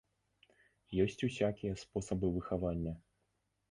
Ёсць усякія спосабы выхавання.